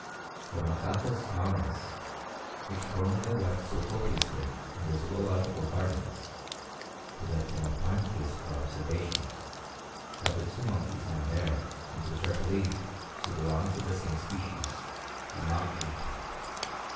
The Macacus maurus, which formerly wept so copiously in the Zoological Gardens, would have been a fine case for observation; but the two monkeys now there, and which are believed to belong to the same species, do not weep.